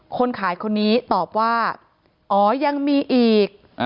คนขายคนนี้ตอบว่าอ๋อยังมีอีก